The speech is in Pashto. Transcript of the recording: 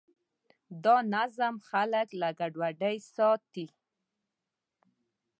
دا نظم خلک له ګډوډۍ ساتي.